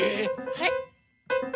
はい。